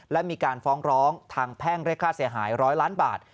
และมีการฟ้องร้องทางแพ่งเรียกค่าเสียหาย๑๐๐ล้านบาท